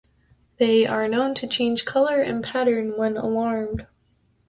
They are known to change colour and pattern when alarmed.